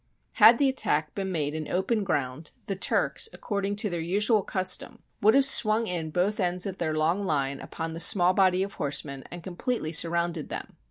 Had the attack been made in open ground, the Turks, according to their usual custom, would have SIEGE OF ANTIOCH swung in both ends of their long line upon the small body of horsemen and completely surrounded them.